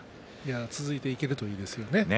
続いていけるといいですね。